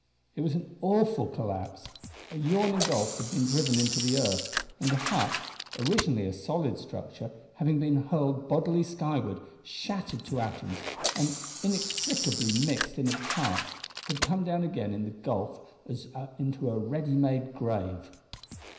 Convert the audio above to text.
It was an awful collapse. A yawning gulf had been driven into the earth, and the hut originally a solid structure having been hurled bodily skyward, shattered to atoms, and inextricably mixed in its parts, had come down again into the gulf as into a ready made grave.